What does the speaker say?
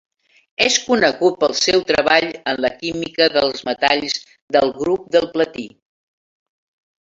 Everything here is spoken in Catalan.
És conegut pel seu treball en la química dels metalls del grup del platí.